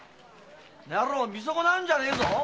この野郎見損なうんじゃねえぞ！